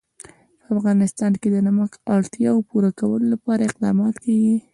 په افغانستان کې د نمک د اړتیاوو پوره کولو لپاره اقدامات کېږي.